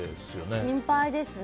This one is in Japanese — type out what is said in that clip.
心配ですね。